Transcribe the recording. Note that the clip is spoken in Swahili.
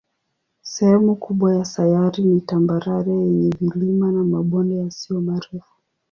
Sehemu kubwa ya sayari ni tambarare yenye vilima na mabonde yasiyo marefu.